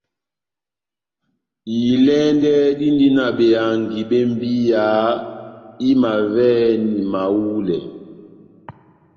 Ilɛ́ndɛ́ dindi na behangi bé mbiya imavɛhɛni mahulɛ.